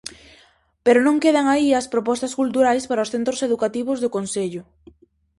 Pero non quedan aí as propostas culturais para os centros educativos do concello.